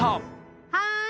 はい！